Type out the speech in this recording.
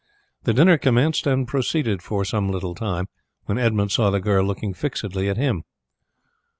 The dinner commenced and proceeded for some little time, when Edmund saw the girl looking fixedly at him.